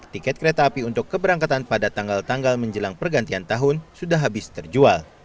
tiket kereta api untuk keberangkatan pada tanggal tanggal menjelang pergantian tahun sudah habis terjual